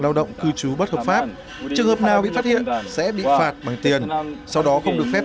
lao động cư trú bất hợp pháp trường hợp nào bị phát hiện sẽ bị phạt bằng tiền sau đó không được phép